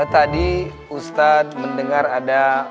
tadi ustadz mendengar ada